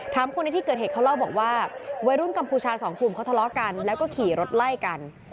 คนในที่เกิดเหตุเขาเล่าบอกว่าวัยรุ่นกัมพูชาสองกลุ่มเขาทะเลาะกันแล้วก็ขี่รถไล่กัน